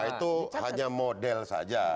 itu hanya model saja